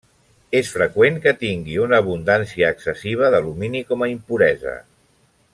És freqüent que tingui una abundància excessiva d'alumini com a impuresa.